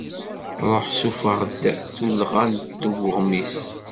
Ruḥ sufeɣ-d tullɣa deg uɣmis.